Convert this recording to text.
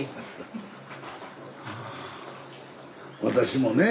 私もね